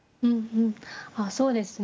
ああそうですね